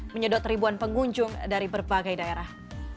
menyedot ribuan pengunjung dari berbagai daerah